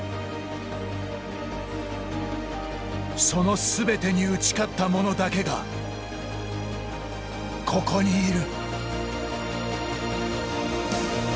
そのすべてに打ち勝った者だけがここにいる。